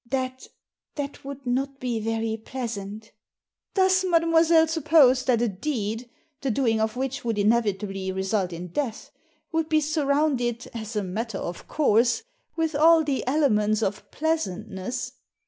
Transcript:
That— that would not be very pleasant" "Does mademoiselle suppose that a deed, the doing of which would inevitably result in death, would be surrounded, as a matter of course, with all the elements of pleasantness